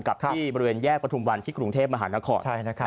กับที่บริเวณแยกประทุมวันที่กรุงเทพมหานคร